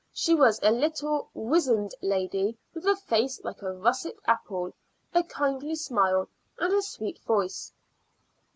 She was a little, wizened lady with a face like a russet apple, a kindly smile, and a sweet voice.